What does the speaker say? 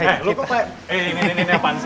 eh ini ini ini apaan sih